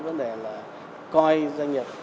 vấn đề là coi doanh nghiệp